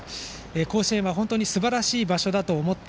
甲子園は本当にすばらしい場所だと思った。